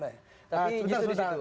tapi justru di situ